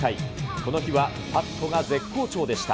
この日はパットが絶好調でした。